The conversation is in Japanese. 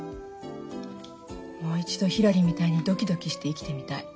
もう一度ひらりみたいにドキドキして生きてみたい。